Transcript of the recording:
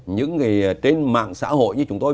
những người trên mạng xã hội như chúng tôi